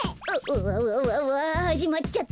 わっわっわっはじまっちゃった。